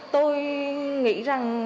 tôi nghĩ rằng